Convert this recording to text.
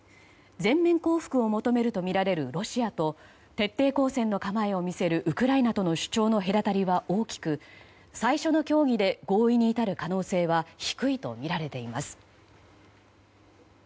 全面降伏を求めるとみられるロシアと徹底抗戦の構えを見せるウクライナとの主張の隔たりは大きく最初の協議で合意に至る可能性は低いとみられています。